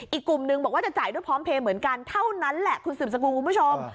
อีกกลุ่มนึงบอกว่าจะจ่ายด้วยพร้อมเพลย์เหมือนกันเท่านั้นแหละคุณสืบสกุลคุณผู้ชม